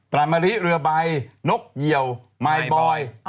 แต่มะลิเรือใบนกเหยียวมายบอย